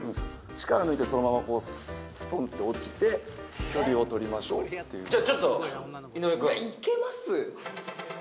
力抜いてそのままストンって落ちて距離を取りましょうっていうじゃちょっといやいけます？